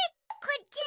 こっち！